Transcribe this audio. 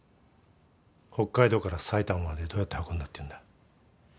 北海道から埼玉までどうやって運んだっていうんだ。